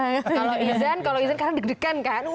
kalau izan kalau izan karena deg degan kan